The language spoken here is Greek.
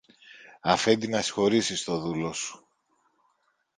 Αφέντη, να συγχωρήσεις το δούλο σου.